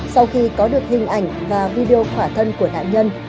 sau khi có được hình ảnh và video khỏa thân của nạn nhân